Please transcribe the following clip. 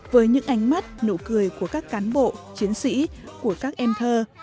với những ánh mắt nụ cười của các cán bộ chiến sĩ của các em thơ